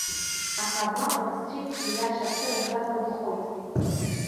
Аха мап анысцәикгьы, аиаша цәыргамкәа инхоит.